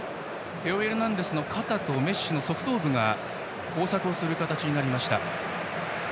テオ・エルナンデスの肩とメッシの側頭部が交錯する形でした。